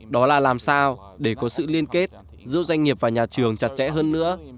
đó là làm sao để có sự liên kết giúp doanh nghiệp và nhà trường chặt chẽ hơn nữa